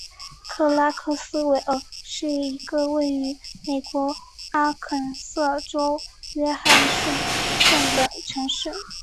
克拉克斯维尔是一个位于美国阿肯色州约翰逊县的城市。